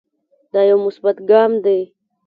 دا يو مثبت ګام دے